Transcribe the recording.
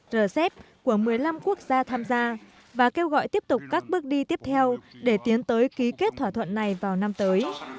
rcep của một mươi năm quốc gia tham gia và kêu gọi tiếp tục các bước đi tiếp theo để tiến tới ký kết thỏa thuận này vào năm tới